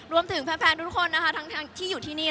รวมถึงแฟนทุกคนที่อยู่ที่นี่